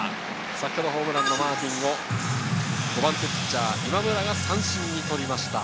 先ほどホームランのマーティンを５番手ピッチャー・今村が三振に取りました。